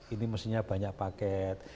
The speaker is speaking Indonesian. ini mestinya banyak paket